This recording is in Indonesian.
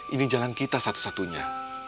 ini jalan kita satu satunya